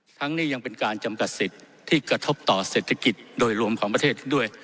ทั้งนี้ยังเป็นการจำกัดสิทธิ์ที่กระทบต่อเศรษฐกิจโดยรวมของประเทศด้วย